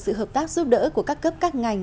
sự hợp tác giúp đỡ của các cấp các ngành